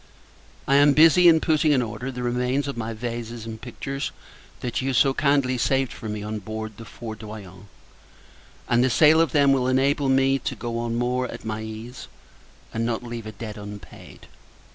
I am busy in putting in order the remains of my vases and pictures, that you so kindly saved for me on board the Fourdroyant; and the sale of them will enable me to go on more at my ease, and not leave a debt unpaid.